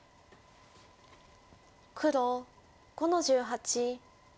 黒５の十八。